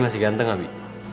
masih ganteng gak bi